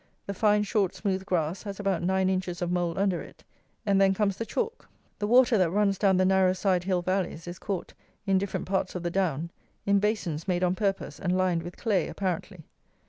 The fine short smooth grass has about 9 inches of mould under it, and then comes the chalk. The water that runs down the narrow side hill valleys is caught, in different parts of the down, in basins made on purpose, and lined with clay apparently.